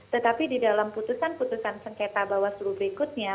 tetapi di dalam putusan putusan sengketa bawaslu berikutnya